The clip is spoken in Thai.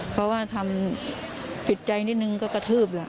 เพราะว่าทำผิดใจนิดนึงก็กระทืบแล้ว